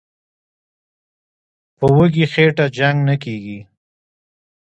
"په وږي خېټه جنګ نه کېږي".